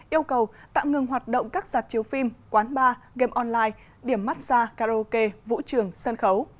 yêu cầu tạm ngừng hoạt động các dạp chiếu phim quán bar game online điểm massage karaoke vũ trường sân khấu